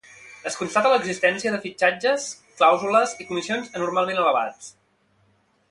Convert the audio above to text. Es constata l'existència de fitxatges, clàusules i comissions anormalment elevats.